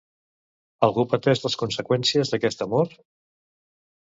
Algú pateix les conseqüències d'aquest amor?